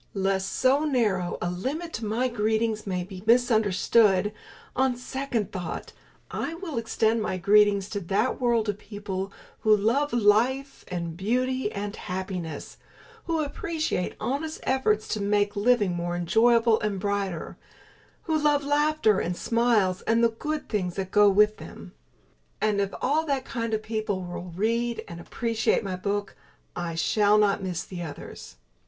Lest so narrow a limit to my Greetings may be misunderstood, on second thought I will extend my Greetings to that world of people who love life and beauty and happiness; who appreciate honest effort to make living more enjoyable and brighter; who love laughter and smiles and the good things that go with them. And if all that kind of people will read and appreciate my book, I shall not miss the others.